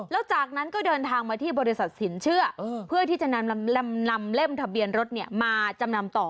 แล้วจากนั้นก็เดินทางมาที่บริษัทสินเชื่อเพื่อที่จะนำเล่มทะเบียนรถมาจำนำต่อ